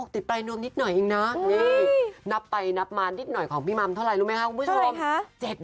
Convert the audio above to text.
ติดปลายนวมนิดหน่อยเองนะนี่นับไปนับมานิดหน่อยของพี่มัมเท่าไรรู้ไหมคะคุณผู้ชม